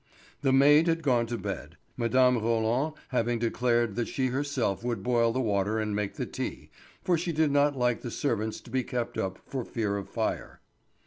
The maid had gone to bed, Mme. Roland having declared that she herself would boil the water and make the tea, for she did not like the servants to be kept up for fear of fire.